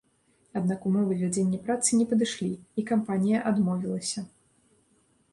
Аднак умовы вядзення працы не падышлі, і кампанія адмовілася.